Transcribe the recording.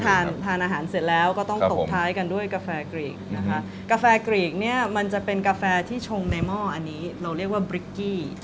ทานทานอาหารเสร็จแล้วก็ต้องตบท้ายกันด้วยกาแฟกรีกนะคะกาแฟกรีกเนี่ยมันจะเป็นกาแฟที่ชงในหม้ออันนี้เราเรียกว่าบริกกี้